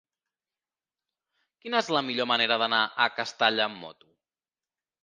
Quina és la millor manera d'anar a Castalla amb moto?